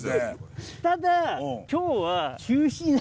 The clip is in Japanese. ただ今日は。